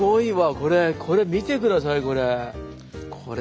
これ見て下さいこれ。